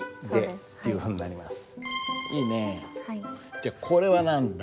じゃこれは何だ？